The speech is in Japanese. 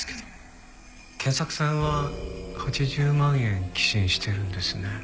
賢作さんは８０万円寄進してるんですね。